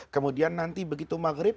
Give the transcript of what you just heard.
kemudian nanti begitu maghrib